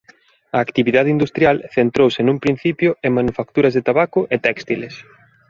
A actividade industrial centrouse nun principio en manufacturas de tabaco e téxtiles.